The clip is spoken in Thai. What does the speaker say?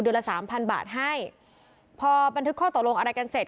ละสามพันบาทให้พอบันทึกข้อตกลงอะไรกันเสร็จ